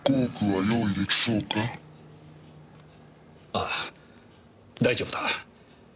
ああ大丈夫だ。